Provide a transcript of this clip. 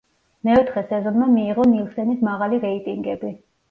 მეოთხე სეზონმა მიიღო ნილსენის მაღალი რეიტინგები.